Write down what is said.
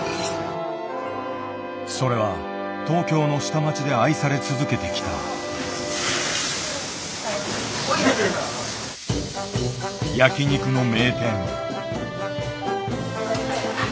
それは東京の下町で愛され続けてきた焼き肉の名店。